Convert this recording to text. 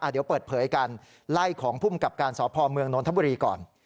เดี๋ยวเปิดเผยกันไล่ของภูมิกับการสพเมืองนนทบุรีก่อน